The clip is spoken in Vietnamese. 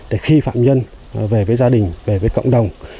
để khi phạm nhân về với gia đình về với cộng đồng